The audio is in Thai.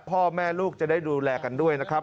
พ่อแม่ลูกจะได้ดูแลกันด้วยนะครับ